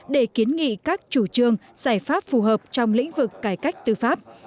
để kiến nghị các chủ trương giải pháp phù hợp trong lĩnh vực cải cách tư pháp